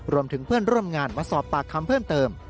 รวมถึงเพื่อนร่วมงานมาสอบปากคำเพิ่มเติม